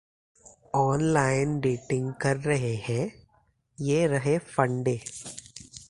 Online dating कर रहे है? ये रहे फंडे...